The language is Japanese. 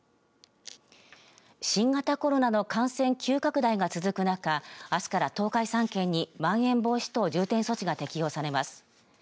新型コロナの感染急拡大が続く中あすから東海３県にまん延防止等重点措置が適用されます。